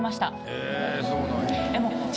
へぇそうなんや。